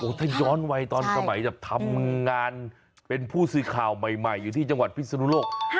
ถ้าย้อนวัยตอนสมัยแบบทำงานเป็นผู้สื่อข่าวใหม่อยู่ที่จังหวัดพิศนุโลก